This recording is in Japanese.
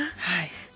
はい。